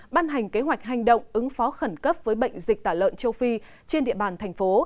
ban hành kế hoạch hành động ứng phó khẩn cấp với bệnh dịch tả lợn châu phi trên địa bàn thành phố